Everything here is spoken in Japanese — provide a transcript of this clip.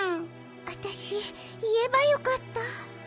わたしいえばよかった。